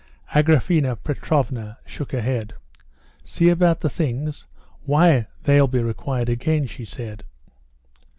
Agraphena Petrovna shook her head. "See about the things? Why, they'll be required again," she said.